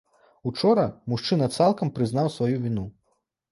Учора мужчына цалкам прызнаў сваю віну.